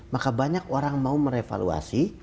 maka banyak orang mau merevaluasi